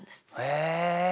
へえ。